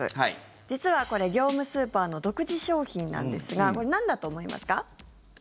実はこれ、業務スーパーの独自商品なんですがなんだと思いますか？